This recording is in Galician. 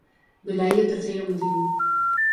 Velaí o terceiro motivo.